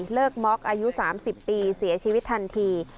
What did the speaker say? เลิกม็อกอายุ๓๐ปีเสียชีวิตทันที